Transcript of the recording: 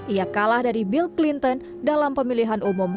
ia kalah dari bill clinton dalam pemilihan umum seribu sembilan ratus sembilan puluh dua